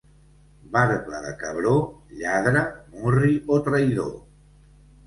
Barba de cabró, lladre, murri o traïdor.